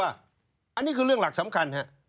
อันนี้คือเรื่องหลักสำคัญ